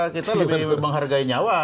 kita lebih menghargai nyawa